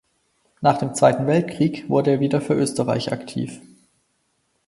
Nach dem Zweiten Weltkrieg wurde er wieder für Österreich aktiv.